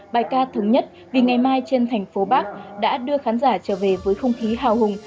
bài ca thống nhất vì ngày mai trên thành phố bắc đã đưa khán giả trở về với không khí hào hùng